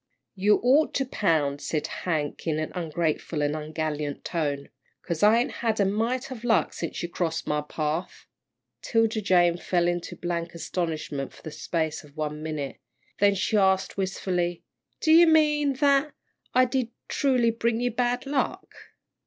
"You ought to pound," said Hank, in an ungrateful and ungallant tone, "'cause I ain't had a mite of luck since you crossed my path." 'Tilda Jane fell into blank astonishment for the space of one minute, then she asked, wistfully, "Do you mean that did I truly bring you bad luck?"